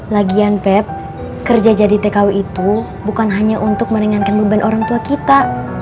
lagian pep kerja jadi tkw itu bukan hanya untuk meringankan beban orang tua kita